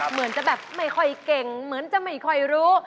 เหมือนจะแบบไม่ค่อยเก่งเหมือนจะไม่ค่อยรู้